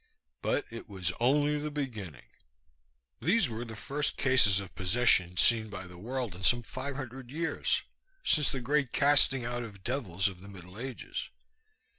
But it was only the beginning. These were the first cases of possession seen by the world in some five hundred years, since the great casting out of devils of the Middle Ages.